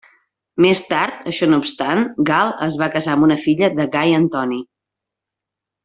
Més tard, això no obstant, Gal es va casar amb una filla de Gai Antoni.